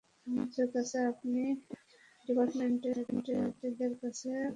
আমাদের কাছে আপনার ডিপার্টমেন্টের এবং মন্ত্রীদের কাছের গ্রাহকও রয়েছে।